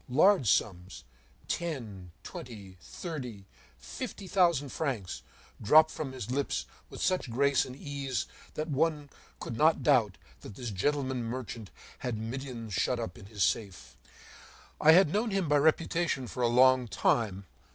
Large sums, ten, twenty, thirty, fifty thousand francs, dropped from his lips with such grace and ease that one could not doubt that this gentleman merchant had millions shut up in his safe. I had known him by reputation for a long time.